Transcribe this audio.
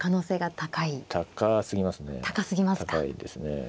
高いですね。